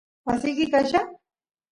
wasiki qaylla